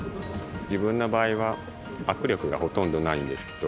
自分の場合は握力がほとんどないんですけど。